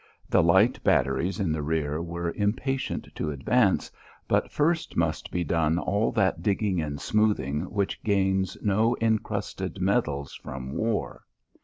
The light batteries in the rear were impatient to advance, but first must be done all that digging and smoothing which gains no encrusted medals from war.